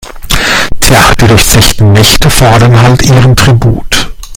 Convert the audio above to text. Tja, die durchzechten Nächte fordern halt ihren Tribut.